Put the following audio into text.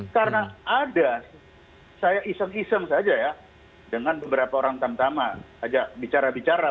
karena ada saya iseng iseng saja ya dengan beberapa orang tamtama saja bicara bicara